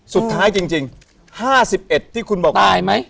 สุดท้ายจริง๕๑ที่คุณบอกตายไหม